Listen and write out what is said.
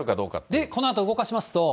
で、このあと動かしますと。